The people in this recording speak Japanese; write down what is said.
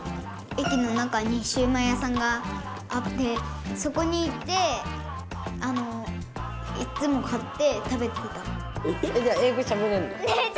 駅の中にシューマイ屋さんがあってそこに行っていつも買って食べてた。